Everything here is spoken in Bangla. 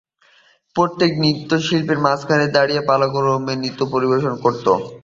প্রত্যেক নৃত্যশিল্পী মাঝখানে দাঁড়িয়ে পালাক্রমে নৃত্য পরিবেশন করত।